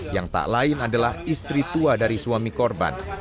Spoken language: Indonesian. yang tak lain adalah istri tua dari suami korban